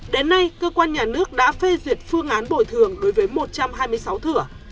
đến nay cơ quan nhà nước đã phê duyệt phương án bồi thường đối với một trăm hai mươi sáu thửa